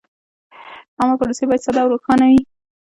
عامه پروسې باید ساده او روښانه وي.